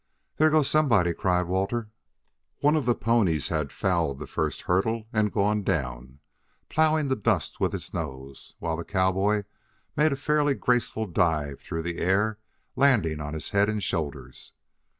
"There goes somebody!" cried Walter. One of the ponies had fouled the first hurdle and gone down, plowing the dust with its nose, while the cowboy made a fairly graceful dive through the air, landing on his head and shoulders.